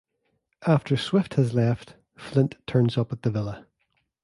After Swift has left, Flint turns up at the villa.